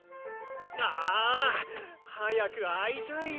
「あぁ！早く会いたい！